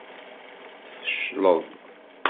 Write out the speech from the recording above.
Tfecleḍ.